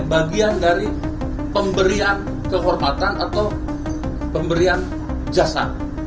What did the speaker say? bagian dari pemberian kehormatan atau pemberian jasa